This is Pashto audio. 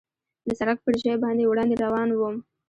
د سړک پر ژۍ باندې وړاندې روان ووم.